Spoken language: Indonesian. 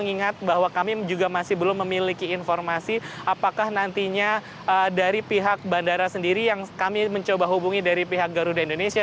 mengingat bahwa kami juga masih belum memiliki informasi apakah nantinya dari pihak bandara sendiri yang kami mencoba hubungi dari pihak garuda indonesia